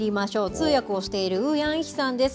通訳をしているウ・ヤンヒさんです。